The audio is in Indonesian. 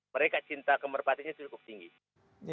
mereka cinta ke merpatinya cukup tinggi